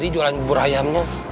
jualan bubur ayamnya